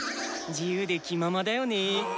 自由で気ままだよね。